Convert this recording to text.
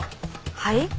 はい？